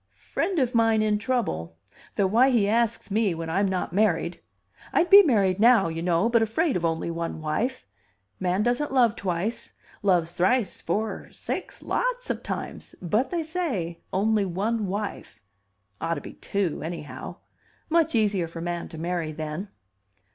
"Friend of mine in trouble; though why he asks me when I'm not married I'd be married now, you know, but afraid of only one wife. Man doesn't love twice; loves thrice, four, six, lots of times; but they say only one wife. Ought to be two, anyhow. Much easier for man to marry then."